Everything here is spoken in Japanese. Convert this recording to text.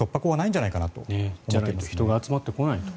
じゃないと人が集まってこないと。